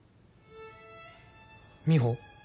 美帆？